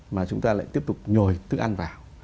mà chúng ta lại tiếp tục nhồi thức ăn vào